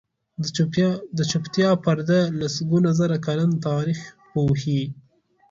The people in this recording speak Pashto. د چوپتیا پرده لسګونه زره کلن تاریخ پوښي.